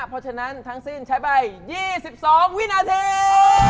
เพราะฉะนั้นทั้งสิ้นใช้ใบ๒๒วินาที